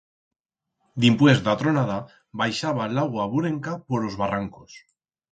Dimpués d'a tronada, baixaba l'augua burenca por os barrancos.